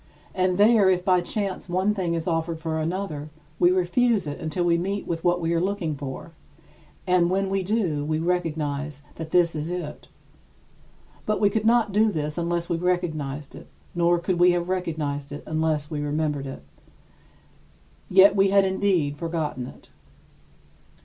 And there, if by chance one thing is offered for another, we refuse it until we meet with what we are looking for; and when we do, we recognize that this is it. But we could not do this unless we recognized it, nor could we have recognized it unless we remembered it. Yet we had indeed forgotten it.